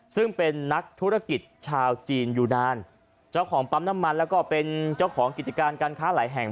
ซึ่งเป็นนักธุรกิจชาวจีนอยู่นานเจ้าของปั๊มน้ำมันแล้วก็เป็นเจ้าของกิจการการค้าหลายแห่ง